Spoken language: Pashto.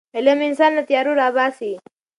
علم انسان له تیارو راباسي.